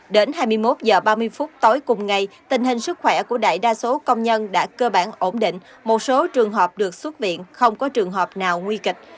đến hai mươi một h ba mươi phút tối cùng ngày tình hình sức khỏe của đại đa số công nhân đã cơ bản ổn định một số trường hợp được xuất viện không có trường hợp nào nguy kịch